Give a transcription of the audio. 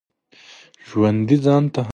ژوندي ځان ته هم نصیحت کوي